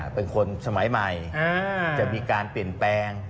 เป็นคนสมัยใหม่จะมีการเปลี่ยนแปลง